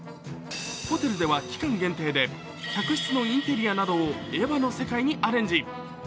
ホテルでは期間限定で客室のインテリアなどを「エヴァ」の世界にアレンジ。